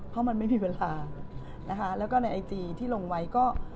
เพราะมันไม่มีเวลานะคะแล้วก็ในไอจีที่ลงไว้ก็